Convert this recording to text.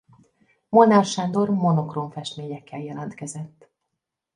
Molnár Sándor monokróm festményekkel jelentkezett.